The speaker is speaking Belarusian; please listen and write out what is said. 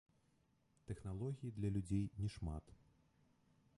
Тэхналогій для людзей не шмат.